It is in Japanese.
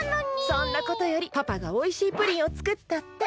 そんなことよりパパがおいしいプリンをつくったって！